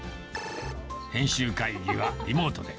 編集会議はリモートで。